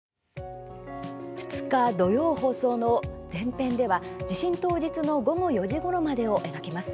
２日、土曜放送の前編では地震当日の午後４時ごろまでを描きます。